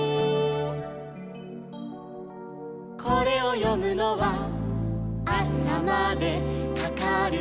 「これをよむのはあさまでかかるね」